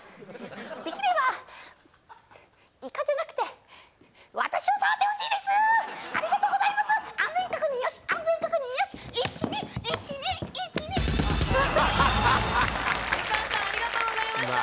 できればイカじゃなくて私を触ってほしいですありがとうございます安全確認よし安全確認よし１２１２１２みかんさんありがとうございました